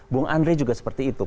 bung andre juga seperti itu